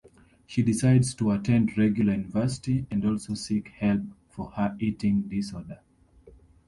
She decides to attend regular university and also seek help for her eating disorder.